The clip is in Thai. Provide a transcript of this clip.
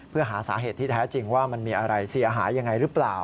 เพื่อหาสาเหตุที่แท้จริงว่ามันมีอะไรเสียหายยังไงหรือเปล่า